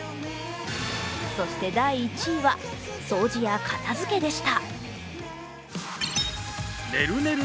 そして、第１位は掃除や片づけでした。